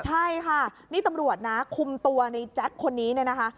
ใช่ค่ะนี่ตำรวจนะคุมตัวในแจ็คคนนี้เนี่ยนะคะ